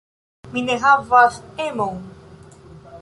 Mi ne havas emon.